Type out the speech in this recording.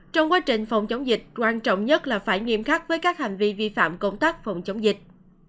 trong quá trình phòng chống dịch quan trọng nhất là phải nghiêm khắc với các hành vi vi phạm công tác phòng chống dịch